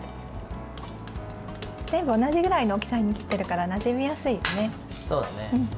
全部同じくらいの大きさに切ってるからなじみやすいですね。